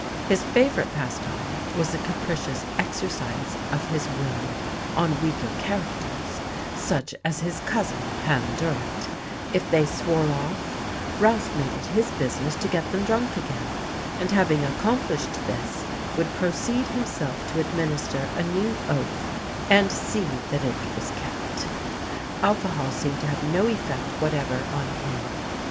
His favourite pastime was the capricious exercise of his will on weaker characters, such as his cousin, Ham Durrett; if they "swore off," Ralph made it his business to get them drunk again, and having accomplished this would proceed himself to administer a new oath and see that it was kept. Alcohol seemed to have no effect whatever on him.